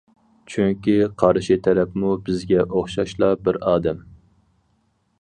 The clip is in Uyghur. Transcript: چۈنكى قارشى تەرەپمۇ بىزگە ئوخشاشلا بىر ئادەم.